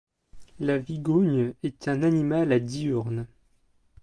La vigogne est un animal diurne.